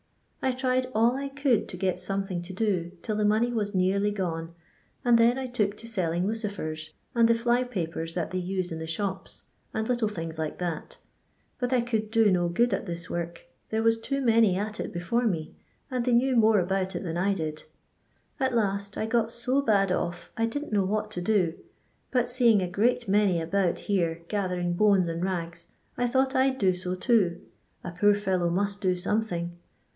I tried all I could to get something to do, till the money was nearly gone ; and then I took to selling lucifers, and the fly papers that they use in the shops, and little things like that ; but I could do no good at this work, there was too many at it before me, and they knew more abont it than I did. At last, 1 got so bad off I didn't know what to do ; but seeing a great many about here gathering bones and rags, I thought I *d do so too — a poor fellow must do something.